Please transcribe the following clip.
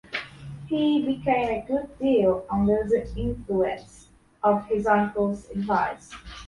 He became a good deal under the influence of his uncle's advice.